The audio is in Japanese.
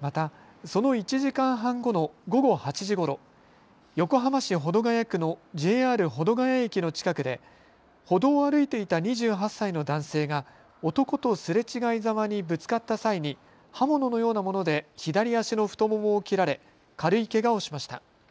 また、その１時間半後の午後８時ごろ横浜市保土ケ谷区のＪＲ保土ケ谷駅の近くで歩道を歩いていた２８歳の男性が男とすれ違いざまにぶつかった際に刃物のようなもので左足の太ももを切られ軽いけがをしました。